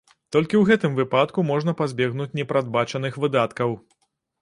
Толькі ў гэтым выпадку можна пазбегнуць непрадбачаных выдаткаў.